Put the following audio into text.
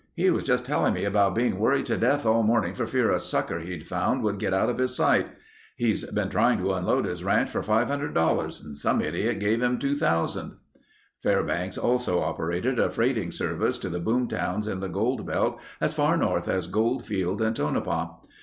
"He was just telling me about being worried to death all morning for fear a sucker he'd found would get out of his sight. He's been trying to unload his ranch for $500 and some idiot gave him $2000." Fairbanks also operated a freighting service to the boom towns in the gold belt as far north as Goldfield and Tonopah.